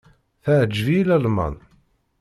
Teɛǧeb-iyi Lalman.